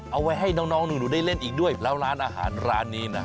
เอาไว้ให้น้องหนูได้เล่นอีกด้วยแล้วร้านอาหารร้านนี้นะ